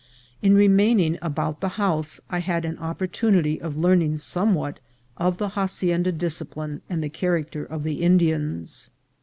In remaining about the house I had an opportunity of learning somewhat of hacienda discipline and the character of the Indians.